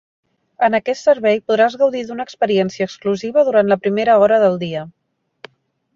En aquest servei podràs gaudir d'una experiència exclusiva durant la primera hora del dia.